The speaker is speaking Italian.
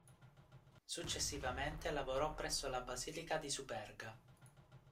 Successivamente lavorò presso la Basilica di Superga.